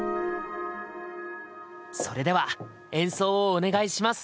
それでは演奏をお願いします。